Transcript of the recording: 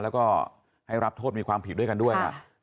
แล้วก็ให้รับโทษมีความผิดด้วยกันด้วย